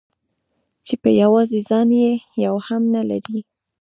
چې په يوازې ځان يې يو هم نه لري.